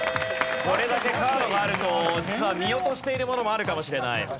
これだけカードがあると実は見落としているものもあるかもしれない。